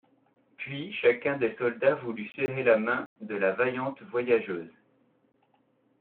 Puis chacun des soldats voulut serrer la main de la vaillante voyageuse.